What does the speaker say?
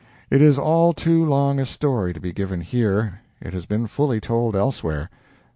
It is all too long a story to be given here. It has been fully told elsewhere.